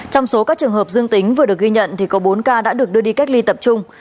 trong số các trường hợp dương tính vừa được ghi nhận thì có bốn ca đã được đưa đi cách ly tập trung